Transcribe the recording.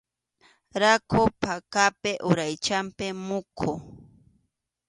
Rakhu phakapa uraychanpi muqu.